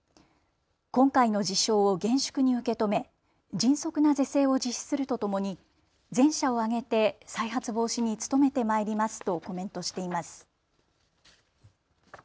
今回の事象を厳粛に受け止め迅速な是正を実施するとともに全社を挙げて再発防止に努めてまいりますとコメントしています。